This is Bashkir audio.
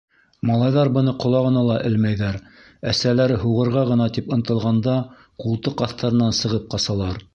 Малайҙар быны ҡолағына ла элмәйҙәр, әсәләре һуғырға ғына тип ынтылғанда, ҡултыҡ аҫтарынан сығып ҡасалар.